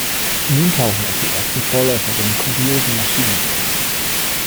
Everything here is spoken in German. Nun tauchen auch die ersten Vorläufer seiner kuriosen Maschinen auf.